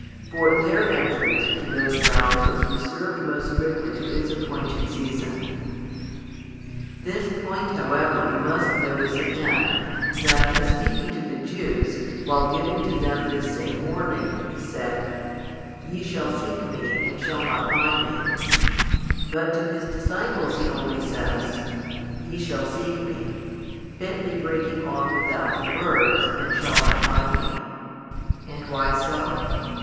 For their entrance to those realms was reserved most strictly to its appointed season. This point however we must notice again, that in speaking to the Jews, while giving to them this same warning, He said: Ye shall seek Me, and shall not find Me; but to His disciples He only says: Ye shall seek Me, fitly breaking off without the words "and shall not find Me." And why so?